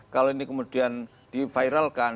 kalau ini kemudian diviralkan